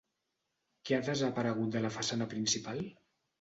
Què ha desaparegut de la façana principal?